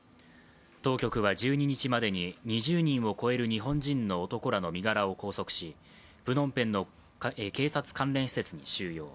当局は１２日までに２０人を超える日本人の男らの身柄を拘束し、プノンペンの警察関連施設に収容。